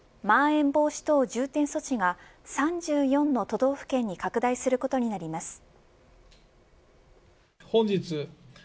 まん延防止等重点措置が３４の都道府県に拡大することになります。